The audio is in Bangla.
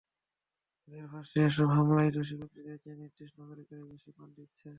তাদের ভাষ্য, এসব হামলায় দোষী ব্যক্তিদের চেয়ে নির্দোষ নাগরিকেরাই বেশি প্রাণ দিচ্ছে।